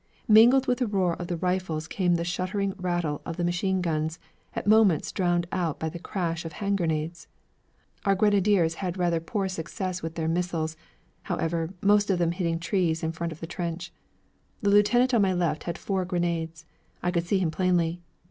Mingled with the roar of the rifles came the stuttering rattle of the machine guns, at moments drowned by the crash of hand grenades. Our grenadiers had rather poor success with their missiles, however, most of them hitting trees in front of the trench. The lieutenant on my left had four grenades. I could see him plainly.